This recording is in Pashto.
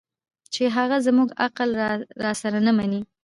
چې هغه زموږ عقل راسره نه مني